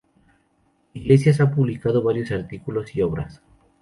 Iglesias ha publicado varios artículos y obras.